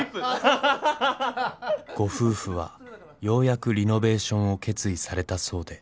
［ご夫婦はようやくリノベーションを決意されたそうで。］